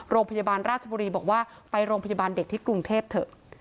โรงพยาบาลราชบุรีบอกว่าไปโรงพยาบาลเด็กที่กรุงเทพเถอะ